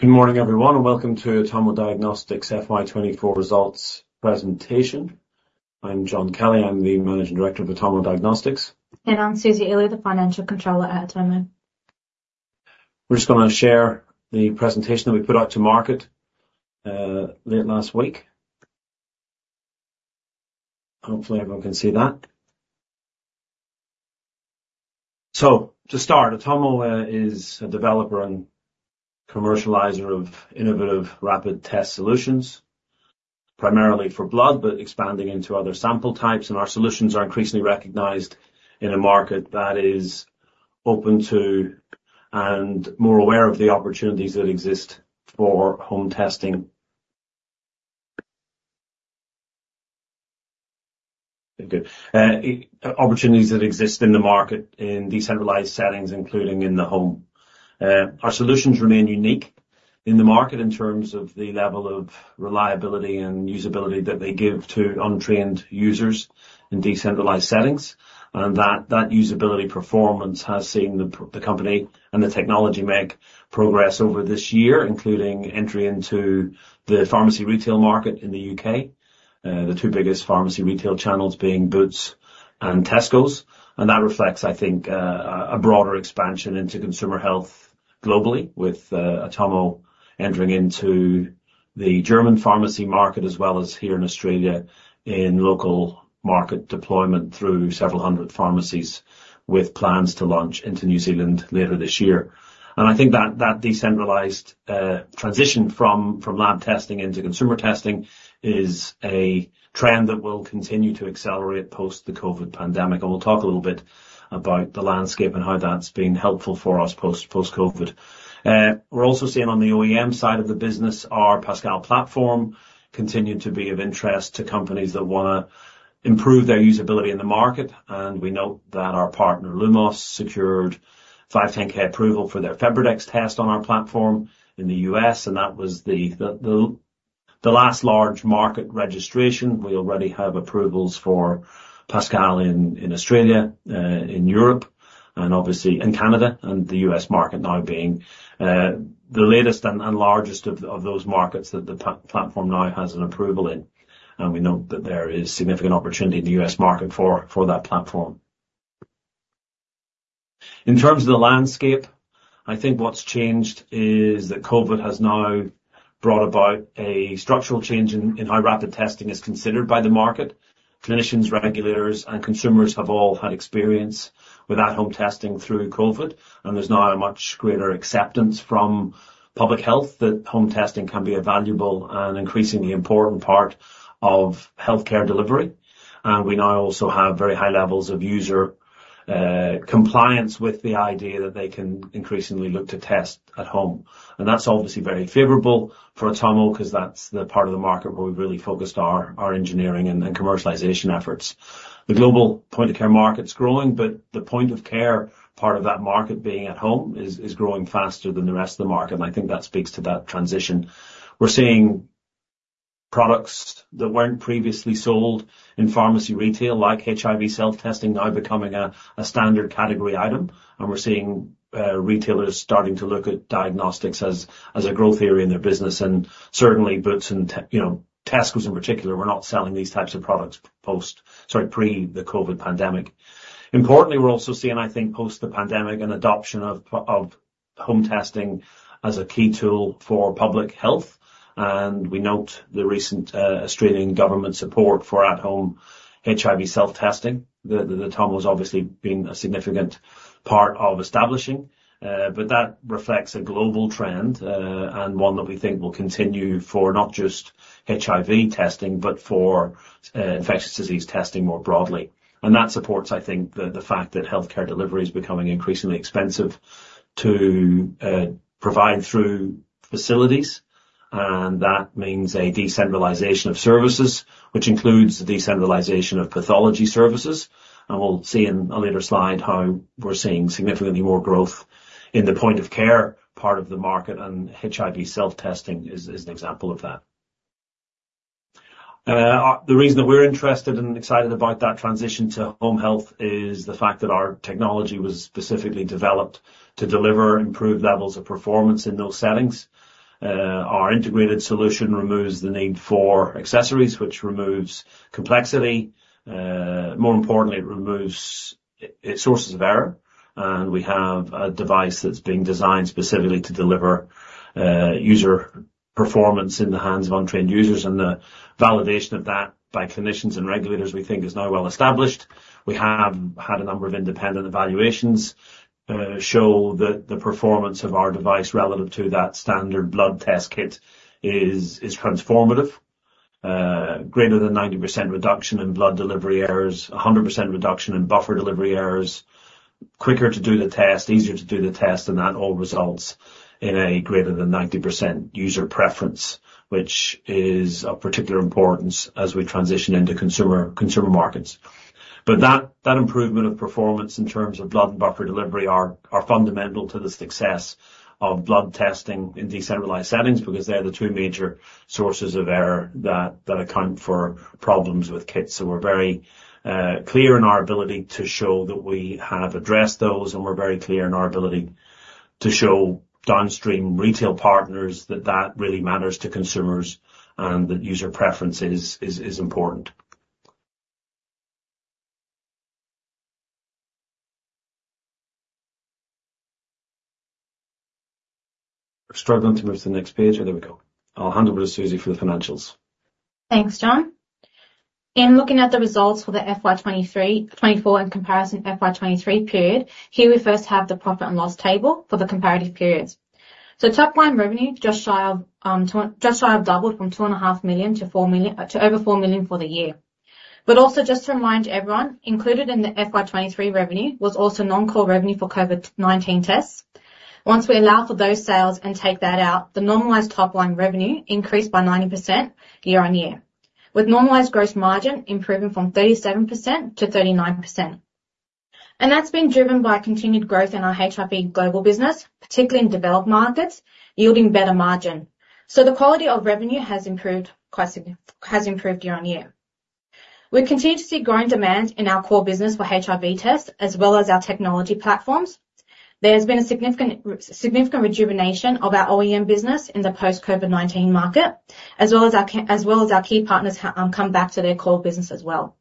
Good morning, everyone, and welcome to Atomo Diagnostics' FY 2024 results presentation. I'm John Kelly. I'm the Managing Director of Atomo Diagnostics. I'm Suzy Elhlou, the Financial Controller at Atomo. We're just gonna share the presentation that we put out to market, late last week. Hopefully, everyone can see that. So to start, Atomo is a developer and commercializer of innovative rapid test solutions, primarily for blood, but expanding into other sample types, and our solutions are increasingly recognized in a market that is open to and more aware of the opportunities that exist for home testing. Good. Opportunities that exist in the market in decentralized settings, including in the home. Our solutions remain unique in the market in terms of the level of reliability and usability that they give to untrained users in decentralized settings, and that usability performance has seen the company and the technology make progress over this year, including entry into the pharmacy retail market in the U.K. The two biggest pharmacy retail channels being Boots and Tesco, and that reflects, I think, a broader expansion into consumer health globally, with Atomo entering into the German pharmacy market as well as here in Australia, in local market deployment through several hundred pharmacies, with plans to launch into New Zealand later this year. I think that decentralized transition from lab testing into consumer testing is a trend that will continue to accelerate post the COVID pandemic, and we'll talk a little bit about the landscape and how that's been helpful for us post-COVID. We're also seeing on the OEM side of the business, our Pascal platform continued to be of interest to companies that wanna improve their usability in the market, and we note that our partner, Lumos, secured 510(k) approval for their FebriDx test on our platform in the U.S., and that was the last large market registration. We already have approvals for Pascal in Australia, in Europe and obviously in Canada, and the U.S. market now being the latest and largest of those markets that the platform now has an approval in, and we note that there is significant opportunity in the U.S. market for that platform. In terms of the landscape, I think what's changed is that COVID has now brought about a structural change in how rapid testing is considered by the market. Clinicians, regulators, and consumers have all had experience with at-home testing through COVID, and there's now a much greater acceptance from public health that home testing can be a valuable and increasingly important part of healthcare delivery. And we now also have very high levels of user compliance with the idea that they can increasingly look to test at home. And that's obviously very favorable for Atomo, 'cause that's the part of the market where we've really focused our engineering and commercialization efforts. The global point-of-care market's growing, but the point of care, part of that market being at home, is growing faster than the rest of the market, and I think that speaks to that transition. We're seeing products that weren't previously sold in pharmacy retail, like HIV self-testing, now becoming a standard category item, and we're seeing retailers starting to look at diagnostics as a growth area in their business. And certainly Boots and you know, Tesco's in particular, were not selling these types of products pre the COVID pandemic. Importantly, we're also seeing, I think, post the pandemic, an adoption of home testing as a key tool for public health. And we note the recent Australian government support for at-home HIV self-testing, that Atomo's obviously been a significant part of establishing. But that reflects a global trend, and one that we think will continue for not just HIV testing, but for infectious disease testing more broadly. And that supports, I think, the fact that healthcare delivery is becoming increasingly expensive to provide through facilities. And that means a decentralization of services, which includes the decentralization of pathology services. And we'll see in a later slide how we're seeing significantly more growth in the point of care part of the market, and HIV self-testing is an example of that. The reason that we're interested and excited about that transition to home health is the fact that our technology was specifically developed to deliver improved levels of performance in those settings. Our integrated solution removes the need for accessories, which removes complexity. More importantly, it removes sources of error, and we have a device that's been designed specifically to deliver user performance in the hands of untrained users. The validation of that by clinicians and regulators, we think, is now well established. We have had a number of independent evaluations show that the performance of our device relative to that standard blood test kit is transformative. Greater than 90% reduction in blood delivery errors, 100% reduction in buffer delivery errors, quicker to do the test, easier to do the test, and that all results in a greater than 90% user preference, which is of particular importance as we transition into consumer markets. That improvement of performance in terms of blood and buffer delivery are fundamental to the success of blood testing in decentralized settings, because they're the two major sources of error that account for problems with kits. So we're very clear in our ability to show that we have addressed those, and we're very clear in our ability to show downstream retail partners that that really matters to consumers, and that user preference is important. Struggling to move to the next page. Oh, there we go. I'll hand over to Suzy for the financials. Thanks, John. In looking at the results for the FY 2023-2024, in comparison to FY 2023 period, here we first have the profit and loss table for the comparative periods. So top line revenue, just shy of doubled from 2.5-4 million to over 4 million for the year. But also just to remind everyone, included in the FY 2023 revenue was also non-core revenue for COVID-19 tests. Once we allow for those sales and take that out, the normalized top line revenue increased by 90% year-on-year, with normalized gross margin improving from 37% to 39%. And that's been driven by continued growth in our HIV global business, particularly in developed markets, yielding better margin. So the quality of revenue has improved year-on-year. We continue to see growing demand in our core business for HIV tests, as well as our technology platforms. There's been a significant rejuvenation of our OEM business in the post-COVID-19 market, as well as our key partners come back to their core business as well,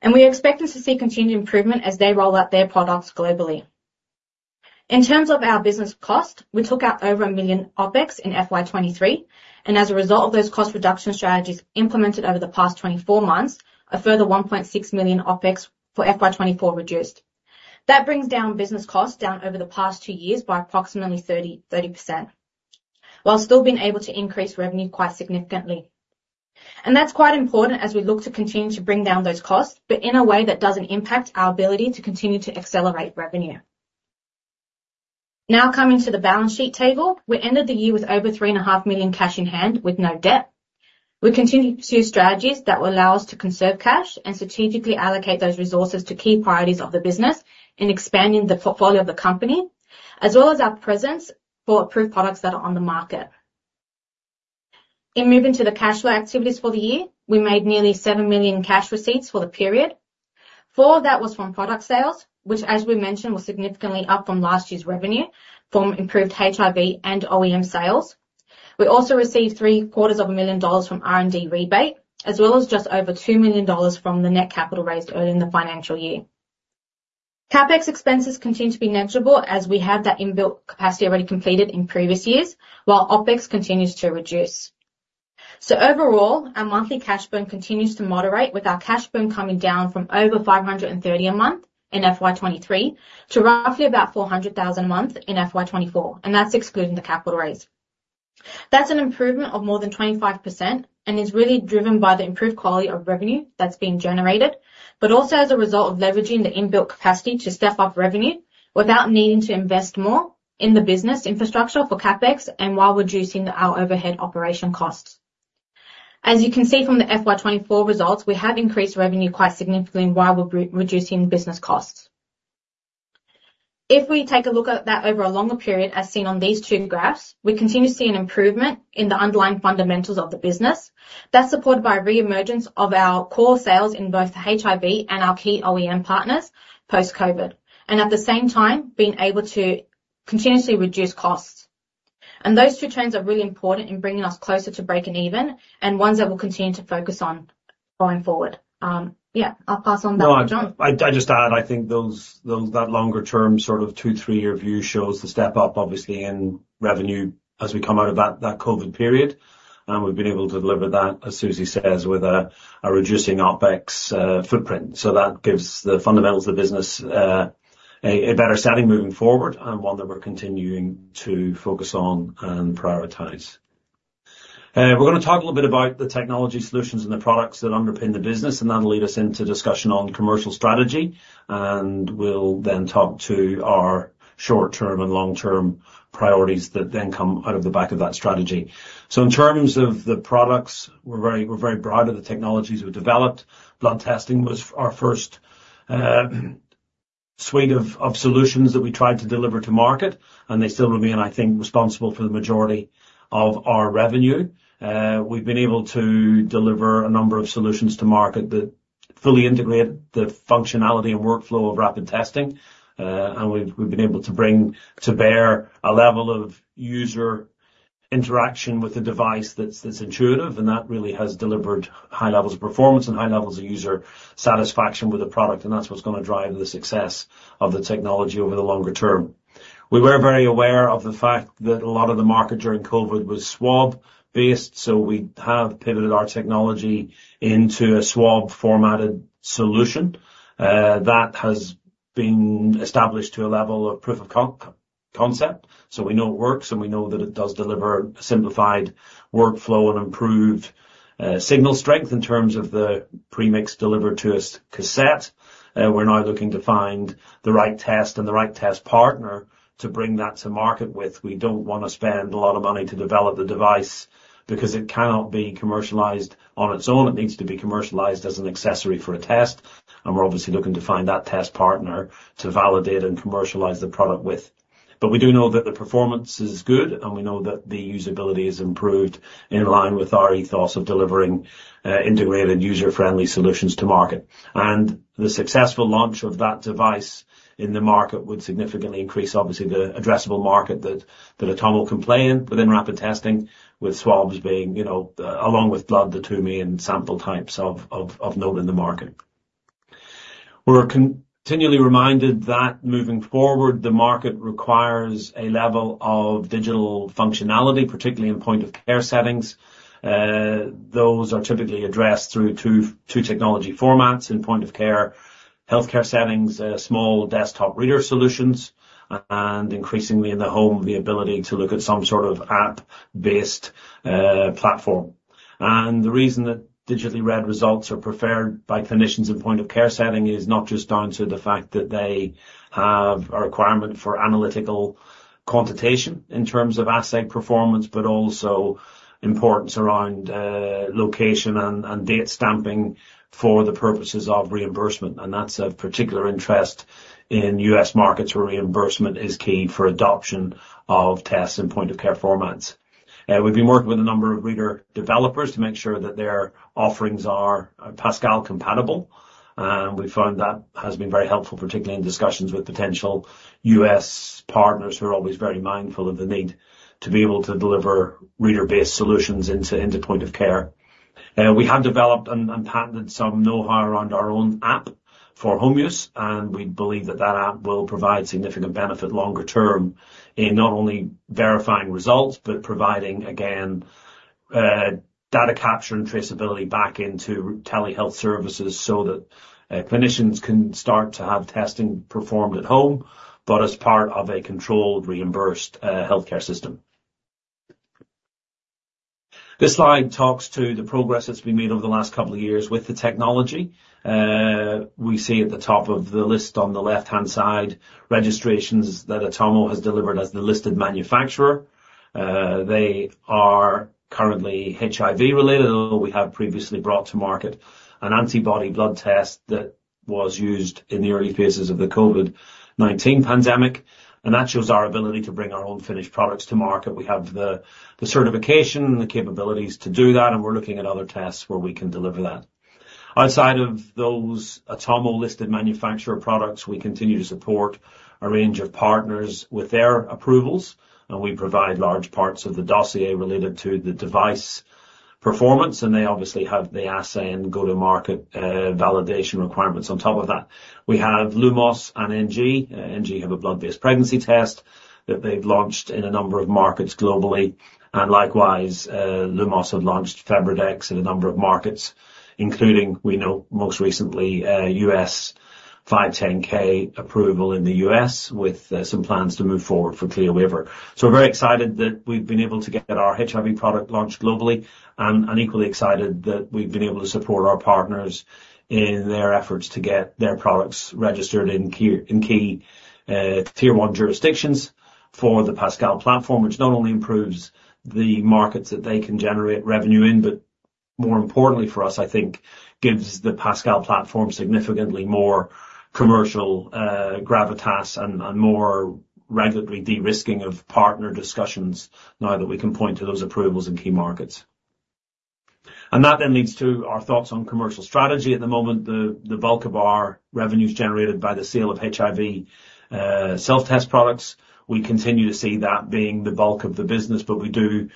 and we're expecting to see continued improvement as they roll out their products globally. In terms of our business cost, we took out over 1 million OpEx in FY 2023, and as a result of those cost reduction strategies implemented over the past 24 months, a further 1.6 million OpEx for FY 2024 reduced. That brings business costs down over the past two years by approximately 30%, while still being able to increase revenue quite significantly. That's quite important as we look to continue to bring down those costs, but in a way that doesn't impact our ability to continue to accelerate revenue. Now, coming to the balance sheet table. We ended the year with over 3.5 million cash in hand, with no debt. We continue to pursue strategies that will allow us to conserve cash and strategically allocate those resources to key priorities of the business in expanding the portfolio of the company, as well as our presence for approved products that are on the market. In moving to the cash flow activities for the year, we made nearly 7 million cash receipts for the period. 4 million of that was from product sales, which, as we mentioned, was significantly up from last year's revenue from improved HIV and OEM sales. We also received 750,000 dollars from R&D rebate, as well as just over 2 million dollars from the net capital raised early in the financial year. CapEx expenses continue to be negligible, as we have that inbuilt capacity already completed in previous years, while OpEx continues to reduce. So overall, our monthly cash burn continues to moderate, with our cash burn coming down from over 530,000 a month in FY 2023, to roughly about 400,000 a month in FY 2024, and that's excluding the capital raise. That's an improvement of more than 25% and is really driven by the improved quality of revenue that's being generated, but also as a result of leveraging the inbuilt capacity to step up revenue without needing to invest more in the business infrastructure for CapEx, and while reducing our overhead operation costs. As you can see from the FY 2024 results, we have increased revenue quite significantly while re-reducing business costs. If we take a look at that over a longer period, as seen on these two graphs, we continue to see an improvement in the underlying fundamentals of the business. That's supported by a reemergence of our core sales in both the HIV and our key OEM partners post-COVID, and at the same time being able to continuously reduce costs, and those two trends are really important in bringing us closer to breaking even, and ones that we'll continue to focus on going forward. I'll pass on that to John. No, I'd just add, I think those that longer term, sort of two, three-year view shows the step-up obviously in revenue as we come out of that COVID period. We've been able to deliver that, as Suzy says, with a reducing OpEx footprint. So that gives the fundamentals of the business a better standing moving forward and one that we're continuing to focus on and prioritize. We're gonna talk a little bit about the technology solutions and the products that underpin the business, and then lead us into discussion on commercial strategy. We'll then talk to our short-term and long-term priorities that then come out of the back of that strategy. So in terms of the products, we're very proud of the technologies we've developed. Blood testing was our first suite of solutions that we tried to deliver to market, and they still remain, I think, responsible for the majority of our revenue. We've been able to deliver a number of solutions to market that fully integrate the functionality and workflow of rapid testing, and we've been able to bring to bear a level of user interaction with the device that's intuitive, and that really has delivered high levels of performance and high levels of user satisfaction with the product, and that's what's gonna drive the success of the technology over the longer term. We were very aware of the fact that a lot of the market during COVID was swab-based, so we have pivoted our technology into a swab-formatted solution. That has been established to a level of proof of concept, so we know it works, and we know that it does deliver a simplified workflow and improved signal strength in terms of the pre-mix delivered to a cassette. We're now looking to find the right test and the right test partner to bring that to market with. We don't wanna spend a lot of money to develop the device, because it cannot be commercialized on its own. It needs to be commercialized as an accessory for a test, and we're obviously looking to find that test partner to validate and commercialize the product with. But we do know that the performance is good, and we know that the usability is improved in line with our ethos of delivering integrated, user-friendly solutions to market. And the successful launch of that device in the market would significantly increase, obviously, the addressable market that are totally compliant within rapid testing, with swabs being, you know, along with blood, the two main sample types of note in the market. We're continually reminded that moving forward, the market requires a level of digital functionality, particularly in point of care settings. Those are typically addressed through two technology formats in point of care healthcare settings, small desktop reader solutions, and increasingly in the home, the ability to look at some sort of app-based platform. The reason that digitally read results are preferred by clinicians in point-of-care setting is not just down to the fact that they have a requirement for analytical quantitation in terms of assay performance, but also importance around location and date stamping for the purposes of reimbursement. That's of particular interest in U.S. markets, where reimbursement is key for adoption of tests and point-of-care formats. We've been working with a number of reader developers to make sure that their offerings are Pascal compatible, and we found that has been very helpful, particularly in discussions with potential U.S. partners, who are always very mindful of the need to be able to deliver reader-based solutions into point-of-care. We have developed and patented some know-how around our own app for home use, and we believe that that app will provide significant benefit longer term in not only verifying results, but providing, again, data capture and traceability back into telehealth services, so that clinicians can start to have testing performed at home, but as part of a controlled, reimbursed healthcare system. This slide talks to the progress that's been made over the last couple of years with the technology. We see at the top of the list on the left-hand side, registrations that Atomo has delivered as the listed manufacturer. They are currently HIV related, although we have previously brought to market an antibody blood test that was used in the early phases of the COVID-19 pandemic, and that shows our ability to bring our own finished products to market. We have the certification, the capabilities to do that, and we're looking at other tests where we can deliver that. Outside of those Atomo-listed manufacturer products, we continue to support a range of partners with their approvals, and we provide large parts of the dossier related to the device performance, and they obviously have the assay and go-to-market validation requirements on top of that. We have Lumos and NG. NG have a blood-based pregnancy test that they've launched in a number of markets globally. Likewise, Lumos have launched FebriDx in a number of markets, including, we know, most recently, 510(k) approval in the US, with some plans to move forward for CLIA waiver. We are very excited that we have been able to get our HIV product launched globally, and equally excited that we have been able to support our partners in their efforts to get their products registered in key Tier One jurisdictions for the Pascal platform, which not only improves the markets that they can generate revenue in, but more importantly for us, I think, gives the Pascal platform significantly more commercial gravitas and more regulatory de-risking of partner discussions now that we can point to those approvals in key markets. And that then leads to our thoughts on commercial strategy. At the moment, the bulk of our revenue is generated by the sale of HIV self-test products. We continue to see that being the bulk of the business, but we do,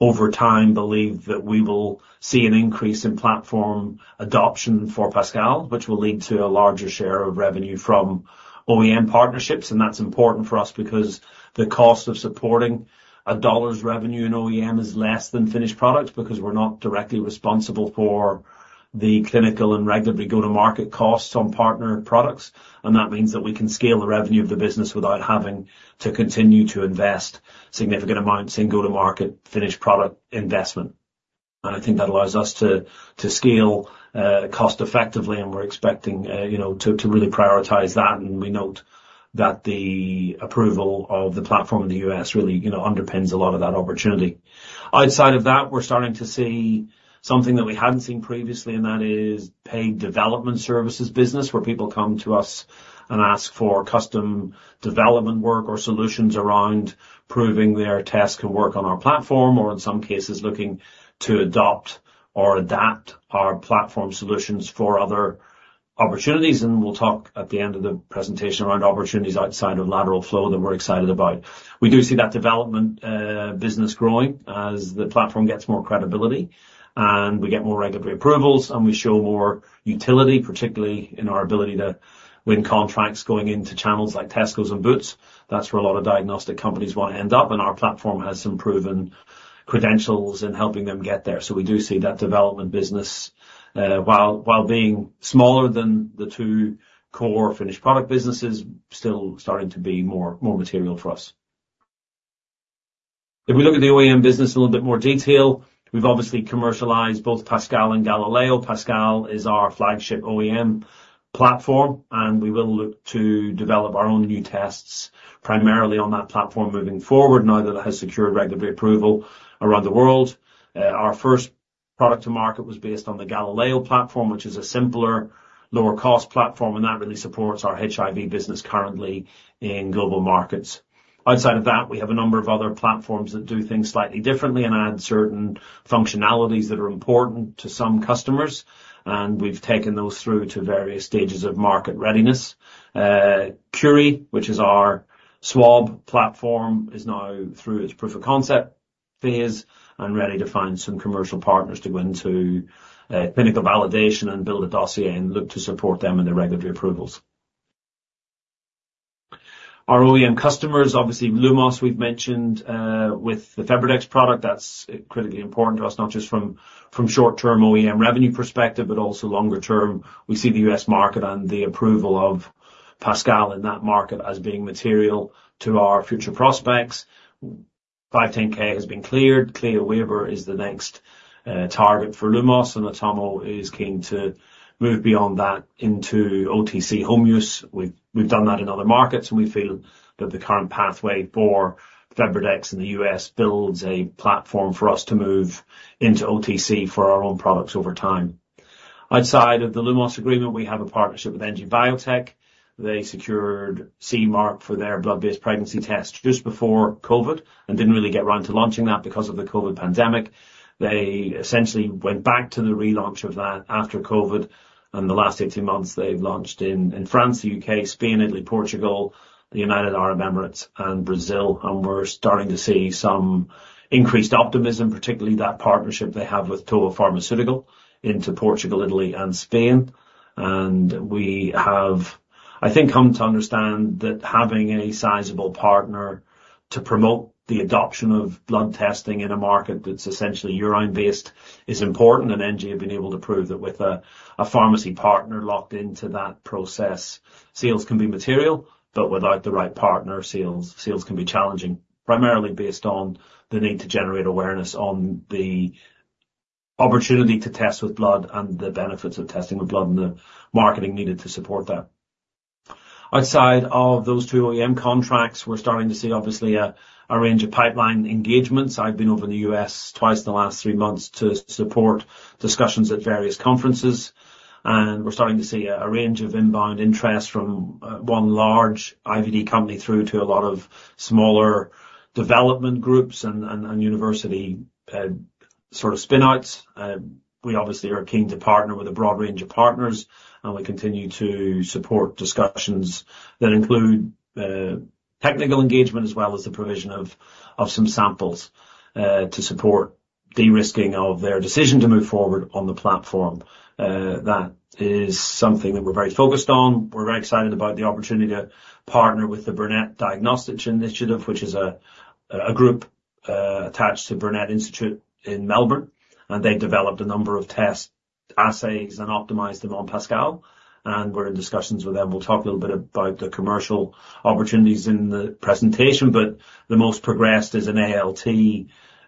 over time, believe that we will see an increase in platform adoption for Pascal, which will lead to a larger share of revenue from OEM partnerships, and that's important for us because the cost of supporting a dollar's revenue in OEM is less than finished product, because we're not directly responsible for the clinical and regulatory go-to-market costs on partner products, and that means that we can scale the revenue of the business without having to continue to invest significant amounts in go-to-market finished product investment, and I think that allows us to scale cost effectively, and we're expecting, you know, to really prioritize that, and we note that the approval of the platform in the U.S. really, you know, underpins a lot of that opportunity. Outside of that, we're starting to see something that we hadn't seen previously, and that is paid development services business, where people come to us and ask for custom development work or solutions around proving their test can work on our platform, or in some cases, looking to adopt or adapt our platform solutions for other opportunities. And we'll talk at the end of the presentation around opportunities outside of lateral flow that we're excited about. We do see that development business growing as the platform gets more credibility, and we get more regulatory approvals, and we show more utility, particularly in our ability to win contracts going into channels like Tesco's and Boots. That's where a lot of diagnostic companies want to end up, and our platform has some proven credentials in helping them get there. So we do see that development business, while being smaller than the two core finished product businesses, still starting to be more material for us. If we look at the OEM business in a little bit more detail, we've obviously commercialized both Pascal and Galileo. Pascal is our flagship OEM platform, and we will look to develop our own new tests primarily on that platform moving forward, now that it has secured regulatory approval around the world. Our first product to market was based on the Galileo platform, which is a simpler, lower cost platform, and that really supports our HIV business currently in global markets. Outside of that, we have a number of other platforms that do things slightly differently and add certain functionalities that are important to some customers, and we've taken those through to various stages of market readiness. Curie, which is our swab platform, is now through its proof of concept phase and ready to find some commercial partners to go into clinical validation and build a dossier and look to support them in their regulatory approvals. Our OEM customers, obviously, Lumos, we've mentioned, with the FebriDx product, that's critically important to us, not just from short-term OEM revenue perspective, but also longer term. We see the U.S. market and the approval of Pascal in that market as being material to our future prospects. 510(k) has been cleared. CLIA waiver is the next target for Lumos, and Atomo is keen to move beyond that into OTC home use. We've done that in other markets, and we feel that the current pathway for FebriDx in the US builds a platform for us to move into OTC for our own products over time. Outside of the Lumos agreement, we have a partnership with NG Biotech. They secured CE Mark for their blood-based pregnancy test just before COVID, and didn't really get around to launching that because of the COVID pandemic. They essentially went back to the relaunch of that after COVID, and the last eighteen months, they've launched in France, the U.K., Spain, Italy, Portugal, the United Arab Emirates, and Brazil. And we're starting to see some increased optimism, particularly that partnership they have with Tua Farmacêutica into Portugal, Italy and Spain. We have, I think, come to understand that having any sizable partner to promote the adoption of blood testing in a market that's essentially urine-based is important. NG have been able to prove that with a pharmacy partner locked into that process, sales can be material, but without the right partner, sales can be challenging. Primarily based on the need to generate awareness on the opportunity to test with blood and the benefits of testing with blood and the marketing needed to support that. Outside of those two OEM contracts, we're starting to see obviously a range of pipeline engagements. I've been over in the U.S. twice in the last three months to support discussions at various conferences, and we're starting to see a range of inbound interest from one large IVD company through to a lot of smaller development groups and university sort of spin-outs. We obviously are keen to partner with a broad range of partners, and we continue to support discussions that include technical engagement as well as the provision of some samples to support de-risking of their decision to move forward on the platform. That is something that we're very focused on. We're very excited about the opportunity to partner with the Burnet Diagnostics Initiative, which is a group attached to Burnet Institute in Melbourne, and they've developed a number of test assays and optimized them on Pascal, and we're in discussions with them. We'll talk a little bit about the commercial opportunities in the presentation, but the most progressed is an ALT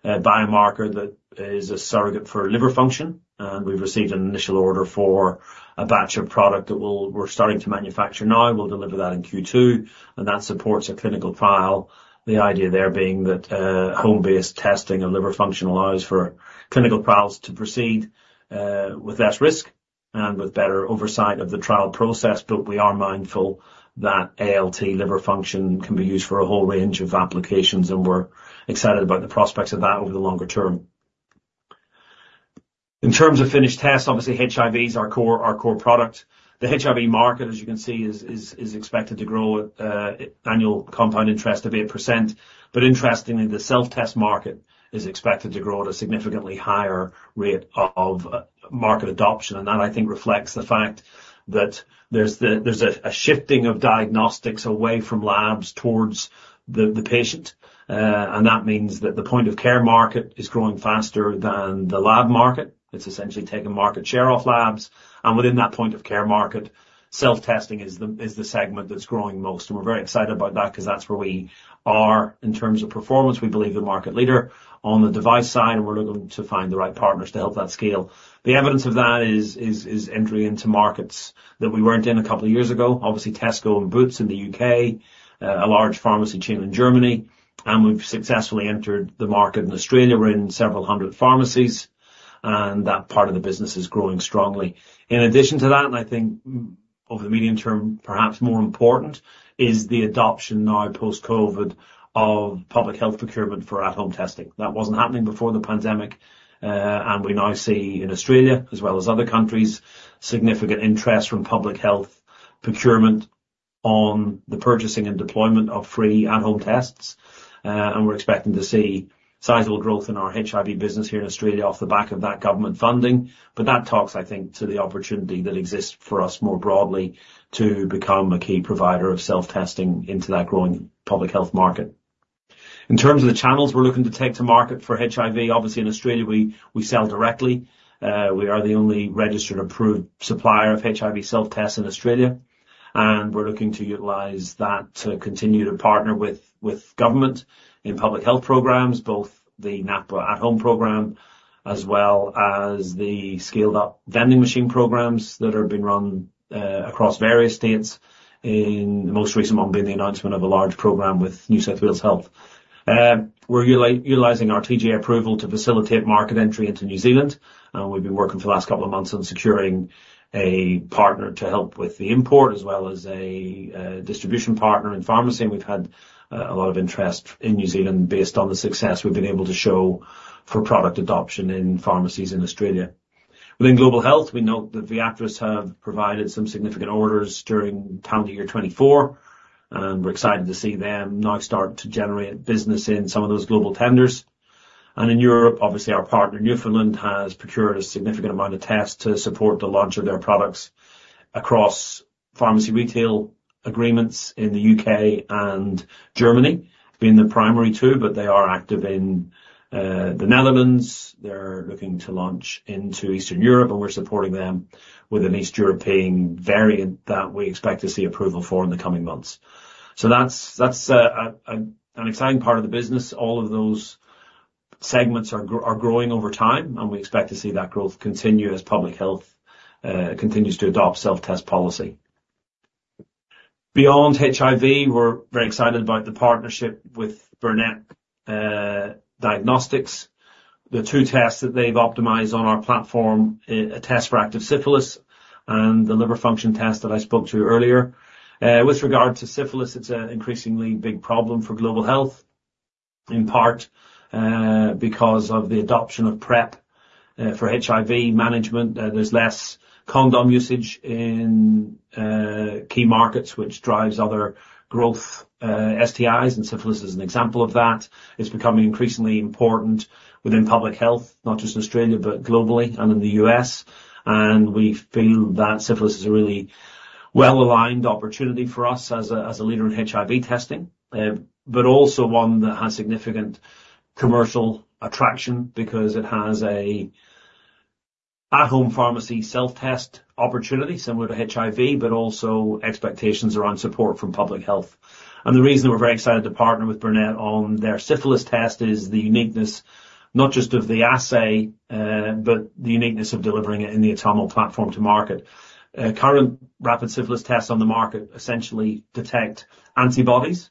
biomarker that is a surrogate for liver function. We've received an initial order for a batch of product that we're starting to manufacture now. We'll deliver that in Q2, and that supports a clinical trial. The idea there being that home-based testing of liver function allows for clinical trials to proceed with less risk and with better oversight of the trial process. But we are mindful that ALT liver function can be used for a whole range of applications, and we're excited about the prospects of that over the longer term. In terms of finished tests, obviously, HIV is our core, our core product. The HIV market, as you can see, is expected to grow at an annual compound interest of 8%. But interestingly, the self-test market is expected to grow at a significantly higher rate of market adoption. And that, I think, reflects the fact that there's a shifting of diagnostics away from labs towards the patient. And that means that the point-of-care market is growing faster than the lab market. It's essentially taking market share off labs, and within that point-of-care market, self-testing is the segment that's growing most. And we're very excited about that because that's where we are in terms of performance. We believe the market leader on the device side, and we're looking to find the right partners to help that scale. The evidence of that is entering into markets that we weren't in a couple of years ago. Obviously, Tesco and Boots in the UK, a large pharmacy chain in Germany, and we've successfully entered the market in Australia. We're in several hundred pharmacies, and that part of the business is growing strongly. In addition to that, and I think over the medium term, perhaps more important, is the adoption now post-COVID of public health procurement for at-home testing. That wasn't happening before the pandemic, and we now see in Australia, as well as other countries, significant interest from public health procurement on the purchasing and deployment of free at-home tests. And we're expecting to see sizable growth in our HIV business here in Australia off the back of that government funding. But that talks, I think, to the opportunity that exists for us more broadly, to become a key provider of self-testing into that growing public health market. In terms of the channels we're looking to take to market for HIV, obviously, in Australia, we sell directly. We are the only registered approved supplier of HIV self-tests in Australia, and we're looking to utilize that to continue to partner with government in public health programs, both the NAPWHA At Home program as well as the scaled-up vending machine programs that are being run across various states. In the most recent one, being the announcement of a large program with New South Wales Health. We're utilizing our TGA approval to facilitate market entry into New Zealand, and we've been working for the last couple of months on securing a partner to help with the import as well as a distribution partner in pharmacy. And we've had a lot of interest in New Zealand based on the success we've been able to show for product adoption in pharmacies in Australia... Within global health, we note that Viatris have provided some significant orders during calendar year 2024, and we're excited to see them now start to generate business in some of those global tenders. And in Europe, obviously, our partner, Newfoundland, has procured a significant amount of tests to support the launch of their products across pharmacy retail agreements in the U.K. and Germany, being the primary two, but they are active in the Netherlands. They're looking to launch into Eastern Europe, and we're supporting them with an East European variant that we expect to see approval for in the coming months. So that's an exciting part of the business. All of those segments are growing over time, and we expect to see that growth continue as public health continues to adopt self-test policy. Beyond HIV, we're very excited about the partnership with Burnet Diagnostics. The two tests that they've optimized on our platform, a test for active syphilis and the liver function test that I spoke to earlier. With regard to syphilis, it's an increasingly big problem for global health, in part, because of the adoption of PrEP for HIV management. There's less condom usage in key markets, which drives other growth, STIs, and syphilis is an example of that. It's becoming increasingly important within public health, not just in Australia, but globally and in the U.S., and we feel that syphilis is a really well-aligned opportunity for us as a leader in HIV testing, but also one that has significant commercial attraction because it has an at-home pharmacy self-test opportunity, similar to HIV, but also expectations around support from public health. The reason we're very excited to partner with Burnet on their syphilis test is the uniqueness, not just of the assay, but the uniqueness of delivering it in the Atomo platform to market. Current rapid syphilis tests on the market essentially detect antibodies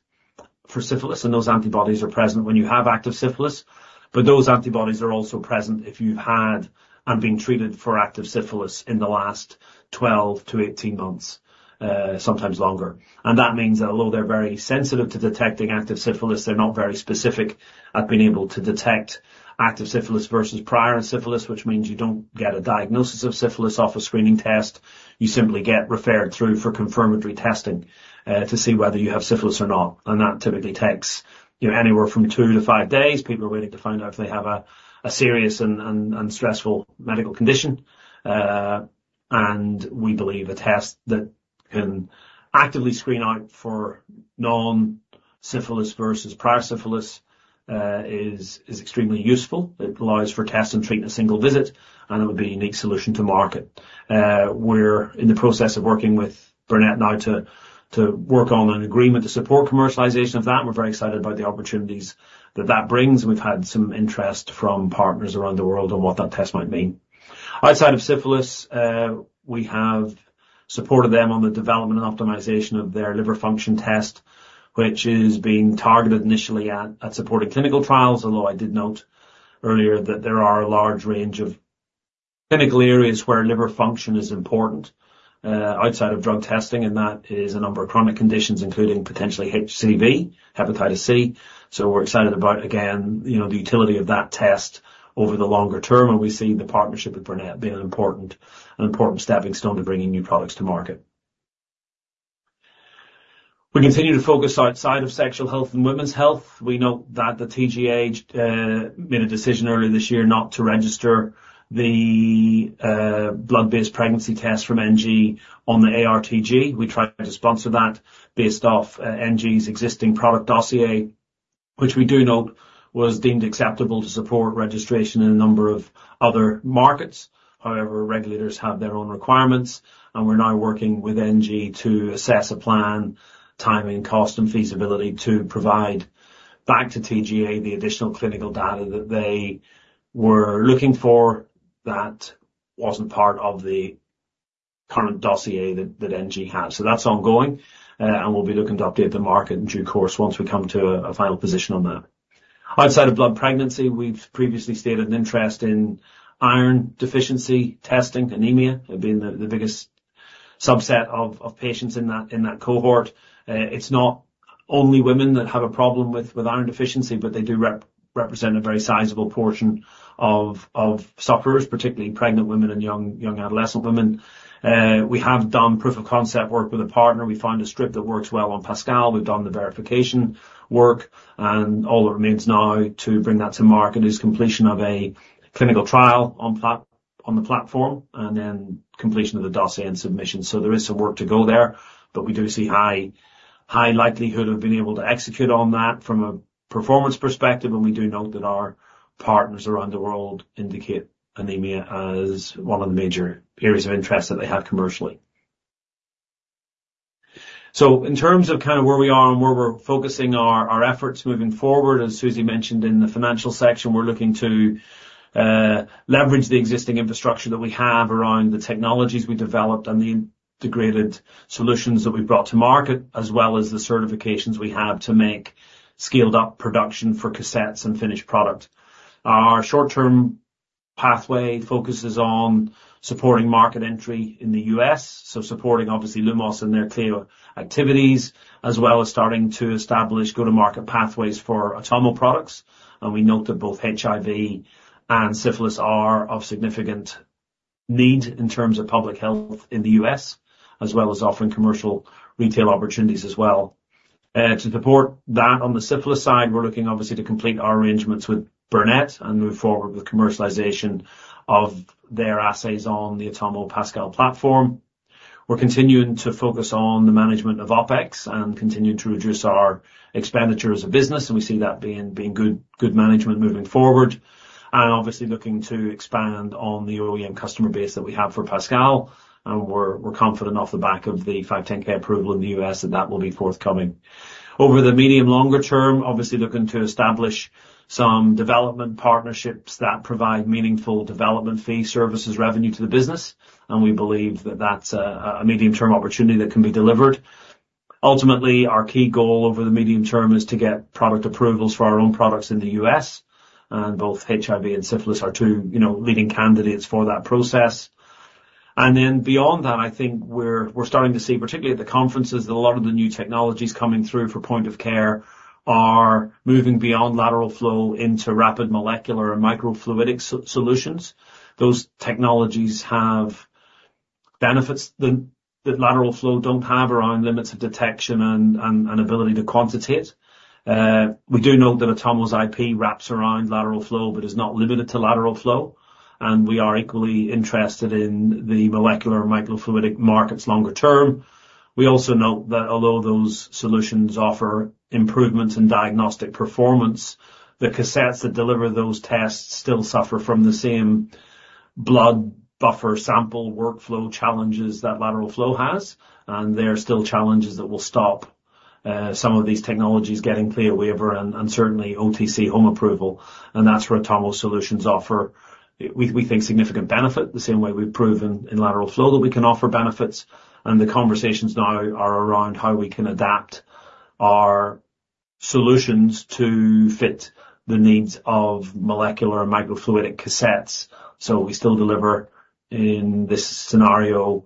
for syphilis, and those antibodies are present when you have active syphilis, but those antibodies are also present if you've had and been treated for active syphilis in the last 12-18 months, sometimes longer. And that means that although they're very sensitive to detecting active syphilis, they're not very specific at being able to detect active syphilis versus prior syphilis, which means you don't get a diagnosis of syphilis off a screening test. You simply get referred through for confirmatory testing to see whether you have syphilis or not, and that typically takes, you know, anywhere from two to five days. People are waiting to find out if they have a serious and stressful medical condition. And we believe a test that can actively screen out for non-syphilis versus prior syphilis is extremely useful. It allows for test and treat in a single visit, and it would be a unique solution to market. We're in the process of working with Burnet now to work on an agreement to support commercialization of that, and we're very excited about the opportunities that that brings. We've had some interest from partners around the world on what that test might mean. Outside of syphilis, we have supported them on the development and optimization of their liver function test, which is being targeted initially at supported clinical trials, although I did note earlier that there are a large range of clinical areas where liver function is important, outside of drug testing, and that is a number of chronic conditions, including potentially HCV, Hepatitis C. So we're excited about, again, you know, the utility of that test over the longer term, and we see the partnership with Burnet being an important stepping stone to bringing new products to market. We continue to focus outside of sexual health and women's health. We note that the TGA made a decision earlier this year not to register the blood-based pregnancy test from NG on the ARTG. We tried to sponsor that based off NG's existing product dossier, which we do know was deemed acceptable to support registration in a number of other markets. However, regulators have their own requirements, and we're now working with NG to assess a plan, timing, cost, and feasibility to provide back to TGA the additional clinical data that they were looking for that wasn't part of the current dossier that NG has, so that's ongoing, and we'll be looking to update the market in due course once we come to a final position on that. Outside of blood pregnancy, we've previously stated an interest in iron deficiency testing, anemia, being the biggest subset of patients in that cohort. It's not only women that have a problem with iron deficiency, but they do represent a very sizable portion of sufferers, particularly pregnant women and young adolescent women. We have done proof of concept work with a partner. We found a strip that works well on Pascal. We've done the verification work, and all that remains now to bring that to market is completion of a clinical trial on the platform, and then completion of the dossier and submission. So there is some work to go there, but we do see high, high likelihood of being able to execute on that from a performance perspective, and we do note that our partners around the world indicate anemia as one of the major areas of interest that they have commercially. So in terms of kind of where we are and where we're focusing our efforts moving forward, as Susie mentioned in the financial section, we're looking to leverage the existing infrastructure that we have around the technologies we developed and the integrated solutions that we've brought to market, as well as the certifications we have to make scaled-up production for cassettes and finished product. Our short-term pathway focuses on supporting market entry in the US, so supporting, obviously, Lumos and their clear activities, as well as starting to establish go-to-market pathways for Atomo products, and we note that both HIV and syphilis are of significant need in terms of public health in the US, as well as offering commercial retail opportunities as well. To support that, on the syphilis side, we're looking obviously to complete our arrangements with Burnet and move forward with commercialization of their assays on the Atomo Pascal platform. We're continuing to focus on the management of OpEx and continuing to reduce our expenditure as a business, and we see that being good management moving forward. And obviously, looking to expand on the OEM customer base that we have for Pascal, and we're confident off the back of the 510(k) approval in the U.S., that will be forthcoming. Over the medium, longer term, obviously, looking to establish some development partnerships that provide meaningful development fee services revenue to the business, and we believe that that's a medium-term opportunity that can be delivered. Ultimately, our key goal over the medium term is to get product approvals for our own products in the U.S., and both HIV and syphilis are two, you know, leading candidates for that process. And then beyond that, I think we're starting to see, particularly at the conferences, that a lot of the new technologies coming through for point-of-care are moving beyond lateral flow into rapid molecular and microfluidic solutions. Those technologies have benefits that lateral flow don't have around limits of detection and ability to quantitate. We do know that Atomo's IP wraps around lateral flow but is not limited to lateral flow, and we are equally interested in the molecular microfluidic markets longer term. We also note that although those solutions offer improvements in diagnostic performance, the cassettes that deliver those tests still suffer from the same blood buffer sample workflow challenges that lateral flow has, and there are still challenges that will stop some of these technologies getting CLIA waiver and certainly OTC home approval. That's where Atomo's solutions offer, we think, significant benefit, the same way we've proven in lateral flow that we can offer benefits. The conversations now are around how we can adapt our solutions to fit the needs of molecular and microfluidic cassettes. So we still deliver, in this scenario,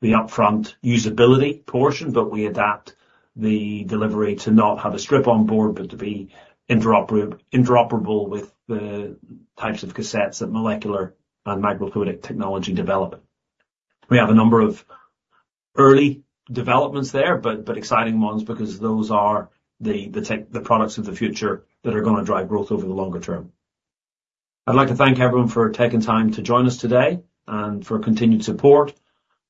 the upfront usability portion, but we adapt the delivery to not have a strip on board, but to be interoperable with the types of cassettes that molecular and microfluidic technology develop. We have a number of early developments there, but exciting ones because those are the tech, the products of the future that are gonna drive growth over the longer term. I'd like to thank everyone for taking time to join us today and for continued support.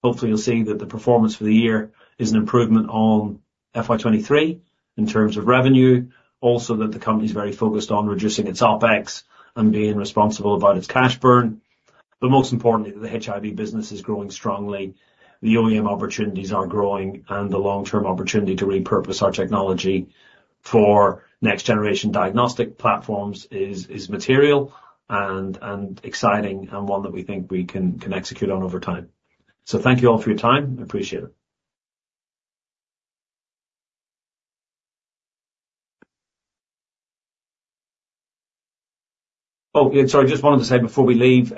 Hopefully, you'll see that the performance for the year is an improvement on FY 2023 in terms of revenue. Also, that the company is very focused on reducing its OpEx and being responsible about its cash burn. But most importantly, that the HIV business is growing strongly, the OEM opportunities are growing, and the long-term opportunity to repurpose our technology for next-generation diagnostic platforms is material and exciting, and one that we think we can execute on over time. So thank you all for your time. I appreciate it. Oh, yeah, sorry, just wanted to say before we leave,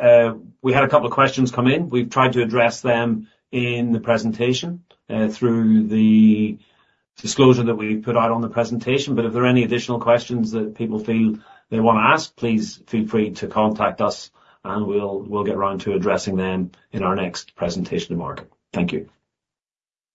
we had a couple of questions come in. We've tried to address them in the presentation, through the disclosure that we put out on the presentation. But if there are any additional questions that people feel they wanna ask, please feel free to contact us, and we'll get around to addressing them in our next presentation to market. Thank you.